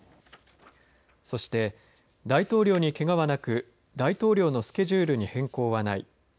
そして大統領に、けがはなく大統領のスケジュールに変更はない。